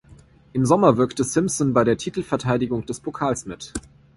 Im Sommer wirkte Simpson bei der Titelverteidigung des Pokals mit.